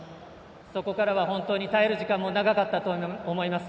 そこからは本当に耐える時間も長かったと思います。